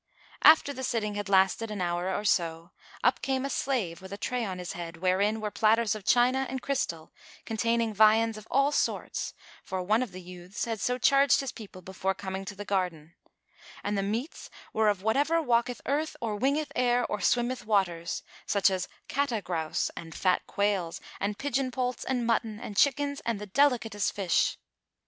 After the sitting had lasted an hour or so, up came a slave with a tray on his head, wherein were platters of china and crystal containing viands of all sorts (for one of the youths had so charged his people before coming to the garden); and the meats were of whatever walketh earth or wingeth air or swimmeth waters, such as Katá grouse and fat quails and pigeon poults and mutton and chickens and the delicatest fish.